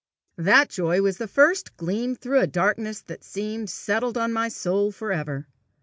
That joy was the first gleam through a darkness that had seemed settled on my soul for ever.